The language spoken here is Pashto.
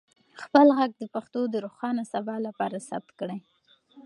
خپل ږغ د پښتو د روښانه سبا لپاره ثبت کړئ.